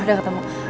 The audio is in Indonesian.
oh udah ketemu